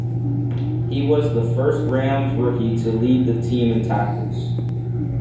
He was the first Rams rookie to lead the team in tackles.